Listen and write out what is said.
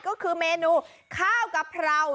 ก็คือเมนูข้าวกะเพรา